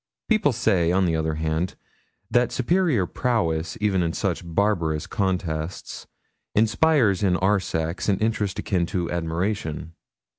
People say, on the other hand, that superior prowess, even in such barbarous contests, inspires in our sex an interest akin to admiration.